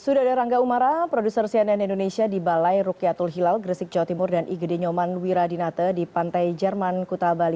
sudah ada rangga umara produser cnn indonesia di balai rukyatul hilal gresik jawa timur dan igede nyoman wiradinate di pantai jerman kuta bali